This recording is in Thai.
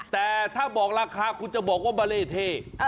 แต่ถ้าบอกราคาคุณจะบอกว่ามาเล่เท